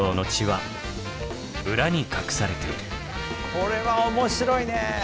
これは面白いね。